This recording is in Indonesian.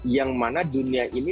yang mana dunia ini